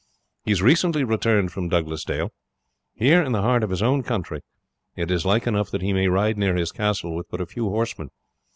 He has recently returned from Douglasdale. Here, in the heart of his own country, it is like enough that he may ride near his castle with but a few horsemen.